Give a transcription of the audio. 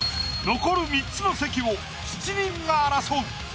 残る３つの席を７人が争う。